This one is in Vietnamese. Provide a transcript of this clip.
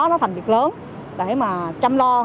nó thành việc lớn để mà chăm lo